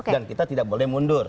dan kita tidak boleh mundur